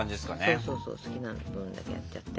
そうそうそう好きな分だけやっちゃって。